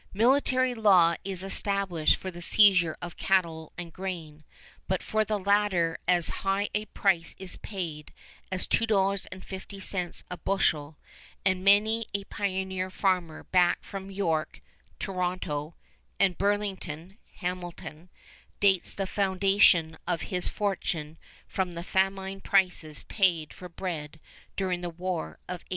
Military law is established for the seizure of cattle and grain, but for the latter as high a price is paid as $2.50 a bushel, and many a pioneer farmer back from York (Toronto) and Burlington (Hamilton) dates the foundation of his fortune from the famine prices paid for bread during the War of 1812.